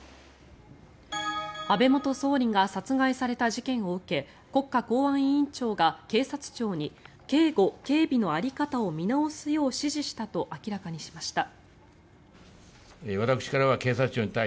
安倍元総理が殺害された事件を受け国家公安委員長が警察庁に警護・警備の在り方を見直すよう指示したと明らかにしました。